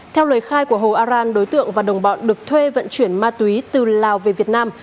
theo lời khai của hồ aran đối tượng và đồng bọn được thuê vận chuyển ma túy từ lào về việt nam